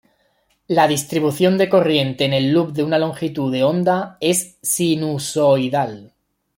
La distribución de corriente en el loop de una longitud de onda es sinusoidal.